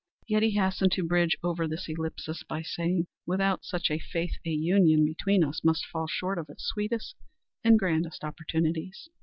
Yet he hastened to bridge over this ellipsis by saying, "Without such a faith a union between us must fall short of its sweetest and grandest opportunities."